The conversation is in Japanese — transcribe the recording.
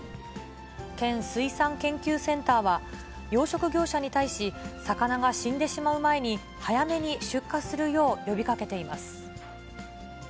県水産研究センターは、養殖業者に対し、魚が死んでしまう前に、早めに出荷するよう呼びかけています。